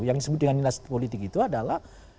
yang disebut dengan dinasti politik itu adalah